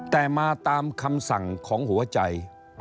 แต่มาตามคำสั่งของหัวใจ